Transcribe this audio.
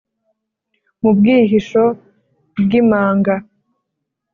mu bwihisho bw’imanga,